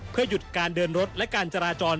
เพื่อหยุดการเดินรถและการจราจร